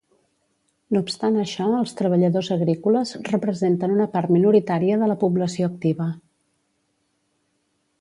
No obstant això els treballadors agrícoles representen una part minoritària de la població activa.